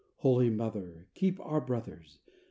Holy Mother! keep our brothers!